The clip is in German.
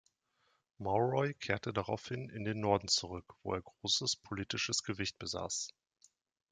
Mauroy kehrte daraufhin in den Norden zurück, wo er großes politisches Gewicht besaß.